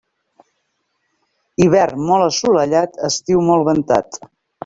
Hivern molt assolellat, estiu molt ventat.